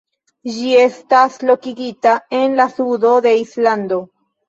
Ĝi estas lokigita en la sudo de Islando.